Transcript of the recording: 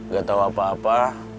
gak tahu apa apa